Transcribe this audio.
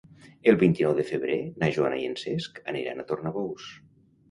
El vint-i-nou de febrer na Joana i en Cesc aniran a Tornabous.